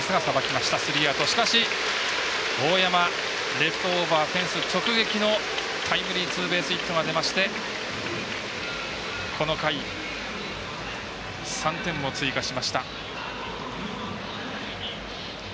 しかし大山、レフトオーバーフェンス直撃のタイムリーツーベースヒットが出ましてこの回、３点を追加しました。